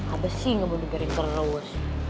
abah sih nggak mau dengerin terus